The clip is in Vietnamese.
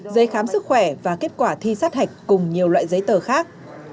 giấy khám sức khỏe và kết quả thi sát hạch cùng nhiều loại giấy tờ khác